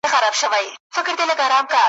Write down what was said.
خو هستي یې نه درلوده ډېر نېسمتن وه `